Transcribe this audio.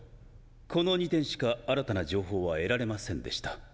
この２点しか新たな情報は得られませんでした。